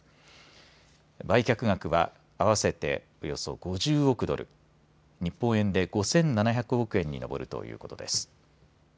売却額は合わせておよそ５０億ドル、日本円で５７００億円に上るということです。